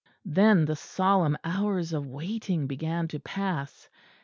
Then the solemn hours of waiting began to pass.